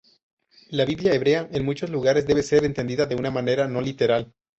La Biblia hebrea en muchos lugares debe ser entendida de una manera no literal.